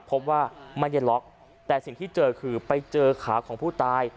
พบว่าไม่ได้ล็อกแต่สิ่งที่เจอคือไปเจอขาของผู้ตาย